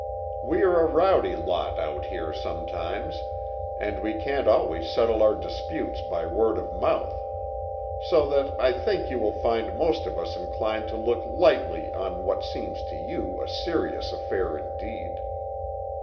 We are a rowdy lot out here sometimes, and we can't always settle our disputes by word of mouth; so that I think you will find most of us inclined to look lightly on what seems to you a serious affair indeed.